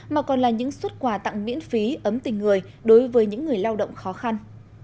mà còn là những xuất quà tặng miễn phí ấm tình người đối với những người lao động khó khăn